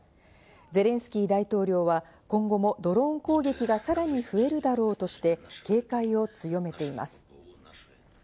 ゼレンスキー大統領は、今後もドローン攻撃がさらに増えるだろうとして、警戒を強めています。